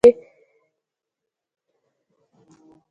ترکیب کېدای سي د نا خپلواکو کیمو درلودونکی يي.